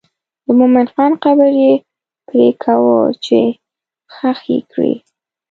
د مومن خان قبر یې پرېکاوه چې ښخ یې کړي.